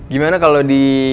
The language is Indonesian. gimana kalau di